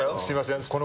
すいません。